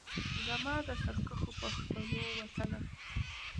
زما د سرکښو پښتنو وطنه